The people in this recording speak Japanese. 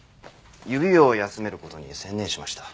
指を休める事に専念しました。